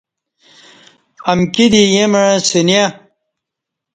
امکی دی ییں مع سنیہ